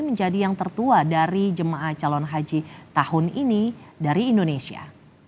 menjadi yang tertua dari jemaah calon haji tahun ini dari indonesia